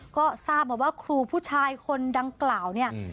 ก็ทราบมาว่าครูผู้ชายคนดังกล่าวเนี่ย